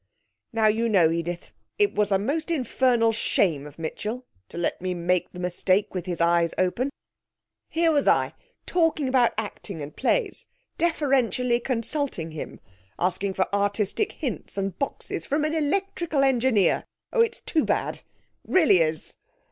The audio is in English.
Now, you know, Edith, it was a most infernal shame of Mitchell to let me make the mistake with his eyes open. Here was I talking about acting and plays, deferentially consulting him, asking for artistic hints and boxes from an electrical engineer! Oh, it's too bad, it really is.'